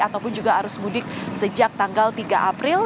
ataupun juga arus mudik sejak tanggal tiga april